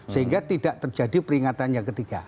sehingga tidak terjadi peringatan yang ketiga